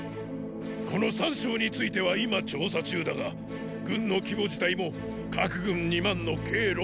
この三将については今調査中だが軍の規模自体も各軍二万の計六万と大規模だ。